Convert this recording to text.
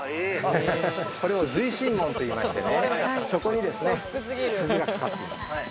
これは随神門と言いましてね、そこにね、鈴がかかっています。